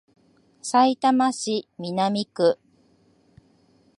さいたま市南区